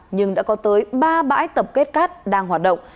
nhưng đã có tới ba bãi tập kết cát đang hoạt động